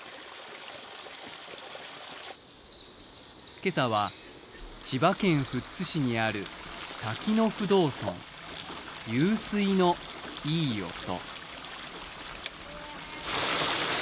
今朝は千葉県富津市にある滝の不動尊、湧水のいい音。